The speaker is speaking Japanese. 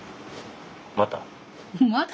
また？